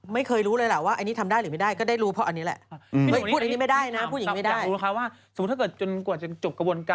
ไม่เคยรู้เลยล่ะว่าอันนี้ทำได้หรือไม่ได้ก็ได้รู้เพราะอันนี้แหละ